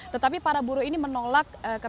tetapi para buruh ini menolak